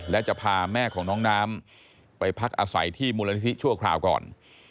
และจะพาแม่ของน้องน้ำไปพักอาศัยที่มูลนิธิชั่วคราวก่อน